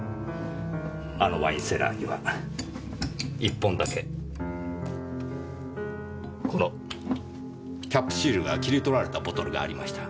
あのワインセラーには１本だけこのキャップシールが切り取られたボトルがありました。